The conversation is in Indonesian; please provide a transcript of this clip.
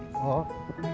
perabot ya mang